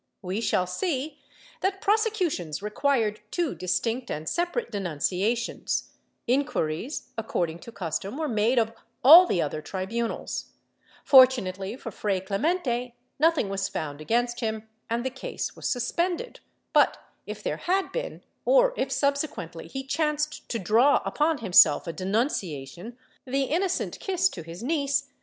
AVe shall see that prosecutions required two distinct and separate denunciations ; inquiries, accord ing to custom, were made of all the other tribunals; fortunately for Fray Clemente nothing was found against him and the case was suspended, but if there had been, or if subsequently he chanced to draw upon himself a denunciation, the innocent kiss to his neice * Proceso contra el Dr. Pedro ]\Iendizabal (IMS. penes me).